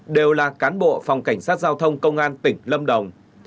đều là cán bộ phòng cảnh sát giao thông công an tỉnh lâm đồng